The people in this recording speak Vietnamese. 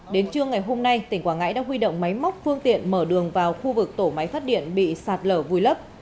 đến trưa ngày hôm nay tỉnh quảng ngãi đã huy động máy móc phương tiện mở đường vào khu vực tổ máy phát điện bị sạt lở vùi lấp